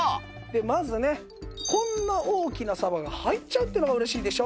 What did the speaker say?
まずねこんな大きなサバが入っちゃうっていうのが嬉しいでしょ？